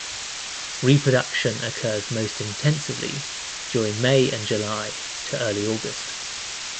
Reproduction occurs most intensively during May and July to early August.